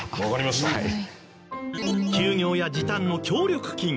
休業や時短の協力金。